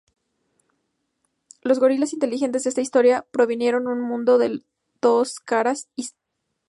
Los Gorilas inteligentes de esta historia provinieron un "mundo de dos caras" que Congo.